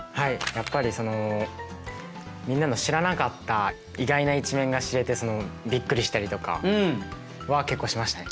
やっぱりそのみんなの知らなかった意外な一面が知れてびっくりしたりとかは結構しましたね。